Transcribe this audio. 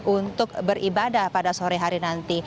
untuk beribadah pada sore hari nanti